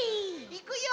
いくよ。